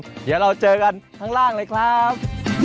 เดี๋ยวเราเจอกันข้างล่างเลยครับ